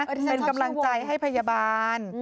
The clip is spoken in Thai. เป็นกำลังใจให้พยาบาล